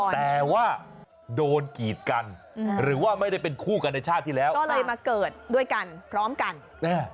แต่ว่าโดนกีดกันหรือว่าไม่ได้เป็นคู่กันในชาติที่แล้วก็เลยมาเกิดด้วยกันพร้อมกันแน่